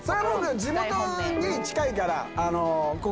地元に近いから。